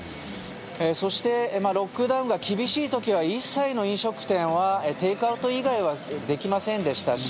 そしてロックダウンが厳しい時は一切の飲食店はテイクアウト以外はできませんでしたし